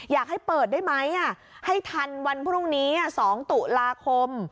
อยากให้เปิดได้ไหมให้ทันวันพรุ่งนี้๒ตุลาคม